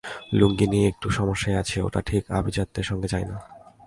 লুঙ্গি নিয়ে একটু সমস্যায় আছি, এটা ঠিক আভিজাত্যের সঙ্গে যায় না।